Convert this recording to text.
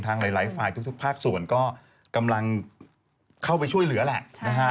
หลายฝ่ายทุกภาคส่วนก็กำลังเข้าไปช่วยเหลือแหละนะฮะ